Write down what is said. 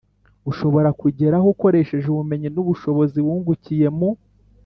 ushobora kugeraho ukoresheje ubumenyi n'ubushobozi wungukiye mu